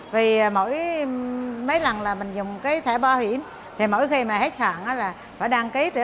vì mỗi mấy lần là mình dùng cái thẻ bảo hiểm thì mỗi khi mà hết hạn là phải đăng ký